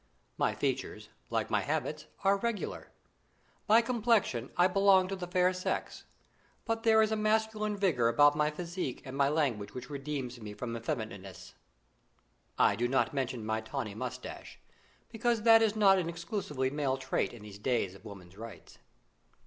My features, like my habits, are regular. By complexion I belong to the fair sex; but there is a masculine vigour about my physique and my language which redeems me from effeminateness. I do not mention my tawny moustache, because that is not an exclusively male trait in these days of women's rights.